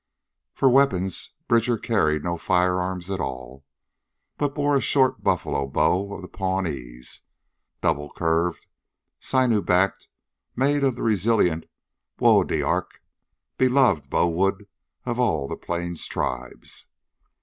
For weapons Bridger carried no firearms at all, but bore a short buffalo bow of the Pawnees double curved, sinew backed, made of the resilient bois d'arc, beloved bow wood of all the Plains tribes.